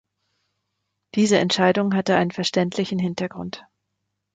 Diese Entscheidung hatte einen verständlichen Hintergrund.